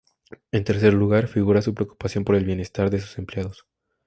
En tercer lugar figura su preocupación por el bienestar de sus empleados.